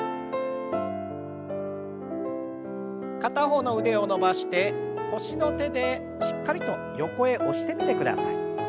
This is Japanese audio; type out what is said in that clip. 片方の腕を伸ばして腰の手でしっかりと横へ押してみてください。